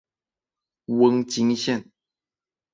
瓮津线